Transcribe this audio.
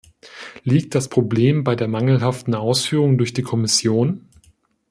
Liegt das Problem bei der mangelhaften Ausführung durch die Kommission?